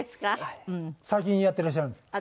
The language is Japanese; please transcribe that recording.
最近やってらっしゃるんですか？